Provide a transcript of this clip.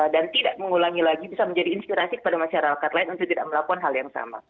dan tidak mengulangi lagi bisa menjadi inspirasi kepada masyarakat lain untuk tidak melakukan hal yang sama